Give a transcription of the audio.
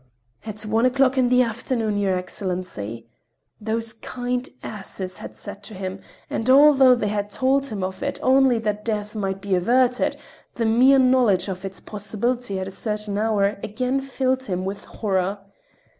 "At one o'clock in the afternoon, your Excellency!" those kind asses had said to him, and although they had told him of it only that death might be averted, the mere knowledge of its possibility at a certain hour again filled him with horror.